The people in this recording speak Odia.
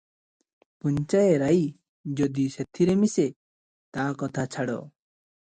ପୁଞ୍ଜାଏ ରାଇ ଯଦି ସେଥିରେ ମିଶେ, ତା କଥା ଛାଡ଼ ।